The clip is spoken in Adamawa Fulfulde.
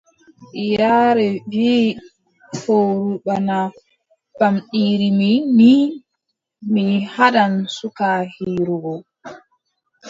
Yaare wii, fowru bana pamɗiri mi, nii, mi haɗan suka hiirugo.